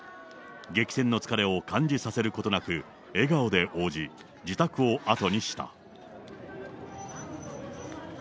激戦の疲れを感じさせることなく、笑顔で応じ、自宅を後にした。